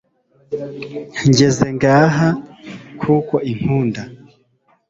ngeze ngaha kuko inkunda